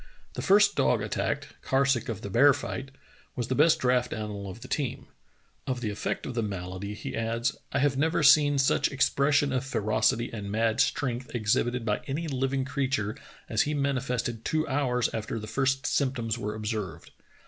" The first dog attacked, Karsuk of the bear fight, was the best draught animal of the best team. Of the effect of the malady he adds: I have never seen such expression of ferocity and mad strength ex hibited by any living creature as he manifested two hours after the first symptoms were observed.